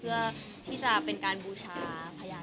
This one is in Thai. เมื่อที่จะเป็นการว่าหลังจากเฉพาะ